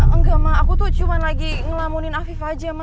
enggak mah aku tuh cuma lagi ngelamunin afif aja